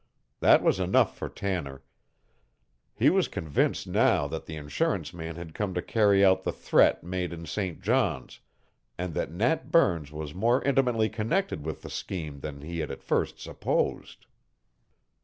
That was enough for Tanner. He was convinced now that the insurance man had come to carry out the threat made in St. John's, and that Nat Burns was more intimately connected with the scheme than he had at first supposed.